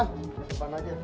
ke depan aja